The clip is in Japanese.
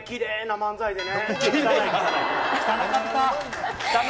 きれいな漫才でね。